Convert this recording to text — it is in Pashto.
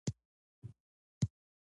د ساه اخیستلو تمرین هم ګټور دی.